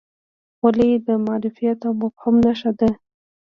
خولۍ د معرفت او فهم نښه ده.